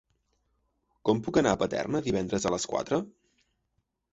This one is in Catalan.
Com puc anar a Paterna divendres a les quatre?